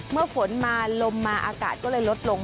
เมื่อฝนมาลมมาอากาศก็เลยลดลง